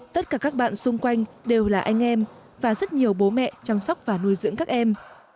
tất cả các bạn xung quanh đều là anh em và rất nhiều bố mẹ chăm sóc và nuôi dưỡng các em